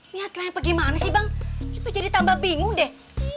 niat lain apa gimana sih bang ini apa jadi tambah bingung deh